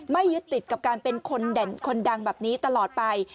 ไม่ยึดติดกับการเป็นคนดังแบบนี้ตลอดไป